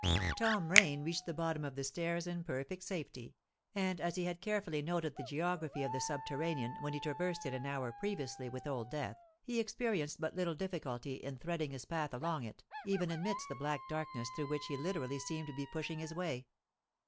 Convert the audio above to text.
Tom Rain reached the bottom of the stairs in perfect safety; and, as he had carefully noted the geography of the subterranean when he traversed it an hour previously with Old Death, he experienced but little difficulty in threading his path along it, even amidst the black darkness through which he literally seemed to be pushing his way.